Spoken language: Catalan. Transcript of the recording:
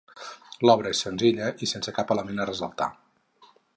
L'obra és senzilla i sense cap element a ressaltar.